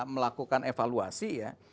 melakukan evaluasi ya